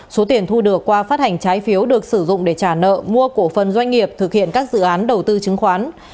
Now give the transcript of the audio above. số tiền thu được qua phát hành trái phiếu được sử dụng để trả nợ mua cổ phần doanh nghiệp thực hiện các dự án đầu tư chứng khoán